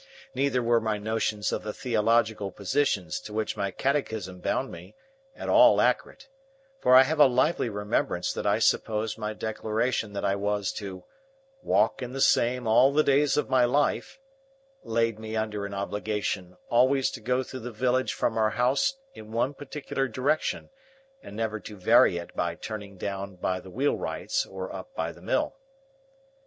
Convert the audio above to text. Neither were my notions of the theological positions to which my Catechism bound me, at all accurate; for, I have a lively remembrance that I supposed my declaration that I was to "walk in the same all the days of my life," laid me under an obligation always to go through the village from our house in one particular direction, and never to vary it by turning down by the wheelwright's or up by the mill.